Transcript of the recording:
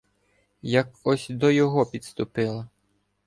Як ось до його підступила